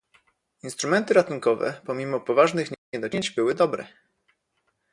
Instrumenty ratunkowe, pomimo poważnych niedociągnięć, były dobre